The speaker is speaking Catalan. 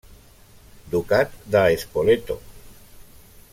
Ducat de Spoleto.